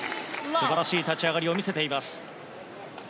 素晴らしい立ち上がりを見せています。